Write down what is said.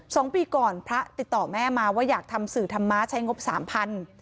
สองปีก่อนพระติดต่อแม่มาว่าอยากทำสื่อธรรมะใช้งบสามพัน